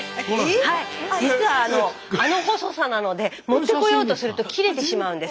実はあの細さなので持ってこようとすると切れてしまうんです。